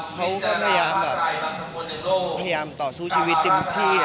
เขาก็พยายามต่อสู้ชีวิตติดที่